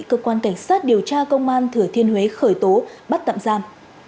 cơ quan cảnh sát điều tra công an thửa thiên huế khởi tố bắt tậm giam